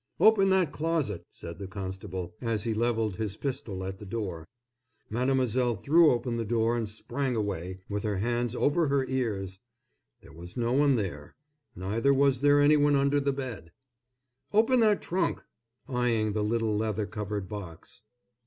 "Open that closet!" said the constable, as he levelled his pistol at the door. Mademoiselle threw open the door and sprang away, with her hands over her ears. There was no one there; neither was there any one under the bed. "Open that trunk!" eying the little leather covered box.